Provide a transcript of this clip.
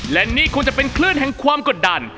และนี่คงจะเป็นคลื่นแห่งความกดดัน